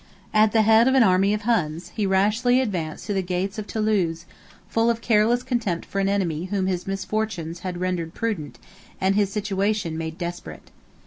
At the head of an army of Huns, he rashly advanced to the gates of Thoulouse, full of careless contempt for an enemy whom his misfortunes had rendered prudent, and his situation made desperate.